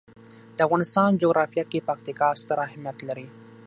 د افغانستان جغرافیه کې پکتیکا ستر اهمیت لري.